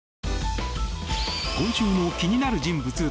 今週の気になる人物